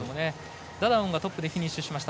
ダダオンはトップでフィニッシュしました。